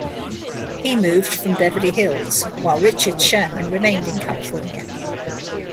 He moved from Beverly Hills, while Richard Sherman remained in California.